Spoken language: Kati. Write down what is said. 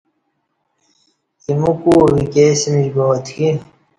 ایمو کو وِکیئ سمیش با اتکی۔